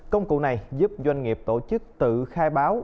công cụ này giúp doanh nghiệp tổ chức tự khai báo